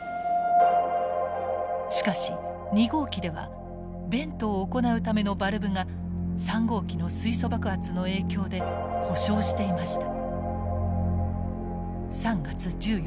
しかし２号機ではベントを行うためのバルブが３号機の水素爆発の影響で故障していました。